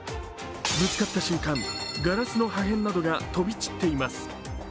ぶつかった瞬間、ガラスの破片などが飛び散っています。